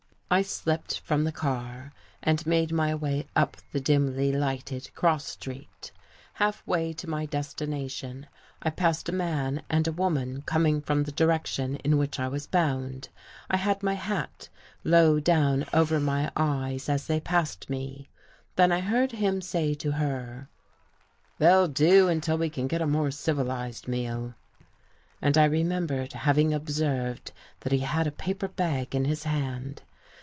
I slipped from, the car and made my way up the dimly lighted cross street. Half way to my des tination, I passed a man and a woman coming from the direction in which I was bound. I had my hat low down over my eyes and paid no attention to them until just as they passed me. Then I heard him say to her: "They'll do until we can get a more civilized meal," and I remembered having ob served that he had a paper bag in his hand.